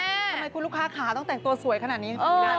ทำไมคุณลูกค้าขาต้องแต่งตัวสวยขนาดนี้